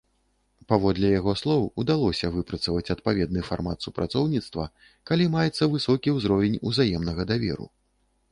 Паводле яго слоў, удалося выпрацаваць адпаведны фармат супрацоўніцтва, калі маецца высокі ўзровень ўзаемнага даверу.